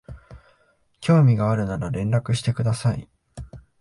興味があるなら連絡してください